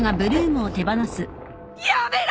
やめろ！